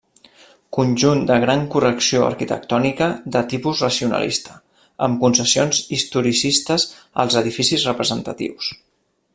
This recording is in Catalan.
Conjunt de gran correcció arquitectònica de tipus racionalista, amb concessions historicistes als edificis representatius.